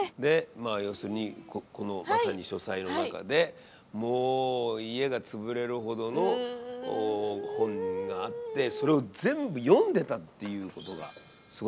まあ要するにこのまさに書斎の中でもう家が潰れるほどの本があってそれを全部読んでたっていうことがすごいと思います。